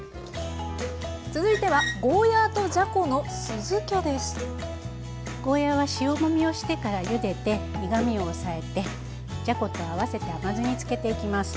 続いてはゴーヤーは塩もみをしてからゆでて苦みを抑えてじゃこと合わせて甘酢に漬けていきます。